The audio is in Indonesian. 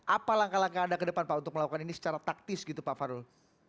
apa langkah langkah anda ke depan pak untuk melakukan ini secara taktis gitu pak farul